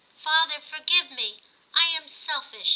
' Father, forgive me ; I am selfish.